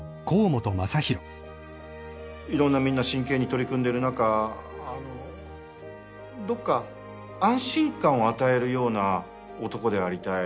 いろんなみんな真剣に取り組んでる中どっか安心感を与えるような男でありたい。